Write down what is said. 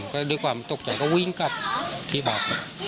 พเห่ยด้วยความตกใจเค้าวิ่งกลับที่บ้า